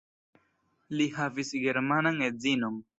Li havis germanan edzinon.